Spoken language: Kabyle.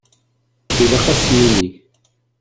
Ilaq ad sen-nini.